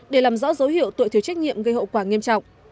để làm rõ dấu hiệu tội thiếu trách nhiệm gây hậu quả nghiêm trọng